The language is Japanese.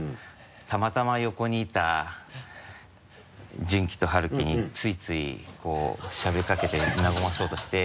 たまたま横にいたジュンキとハルキについついこうしゃべりかけて和ませようとして。